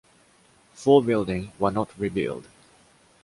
Four building were not rebuild.